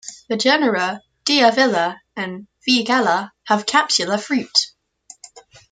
The genera "Diervilla" and "Weigela" have capsular fruit.